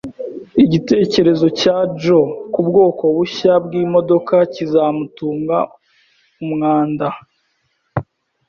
Igitekerezo cya Joe kubwoko bushya bwimodoka kizamutunga umwanda.